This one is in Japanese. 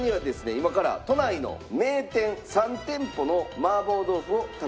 今から都内の名店３店舗の麻婆豆腐を食べて頂きます。